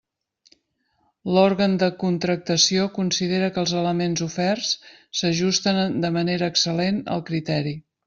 L'òrgan de contractació considera que els elements oferts s'ajusten de manera excel·lent al criteri.